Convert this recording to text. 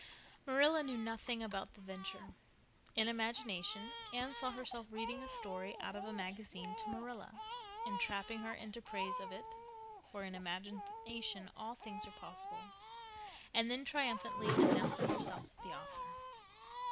Marilla knew nothing about the venture. In imagination Anne saw herself reading a story out of a magazine to Marilla, entrapping her into praise of it—for in imagination all things are possible—and then triumphantly announcing herself the author.